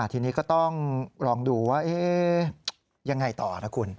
ทีนี้ก็ต้องลองดูว่ายังไงต่อนะคุณ